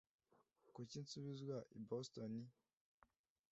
Kuki nsubizwa i Boston?